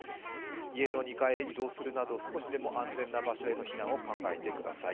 家の２階へ移動するなど少しでも安全な場所へ避難を考えてください。